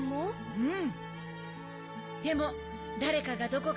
うん。